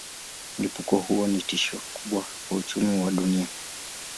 Mlipuko huo ni tishio kubwa kwa uchumi wa dunia.